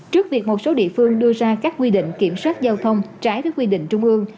trước việc một số địa phương đưa ra các quy định kiểm soát giao thông trái với quy định trung ương